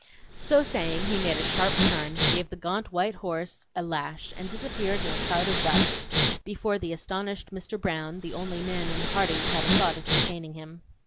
So saying, he made a sharp turn, gave the gaunt white horse a lash and disappeared in a cloud of dust, before the astonished Mr. Brown, the only man in the party, had a thought of detaining him.